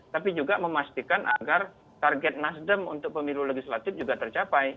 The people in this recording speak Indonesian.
tapi juga memastikan agar target nasdem untuk pemilu legislatif juga tercapai